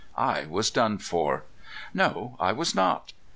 I was done for! No, I was not.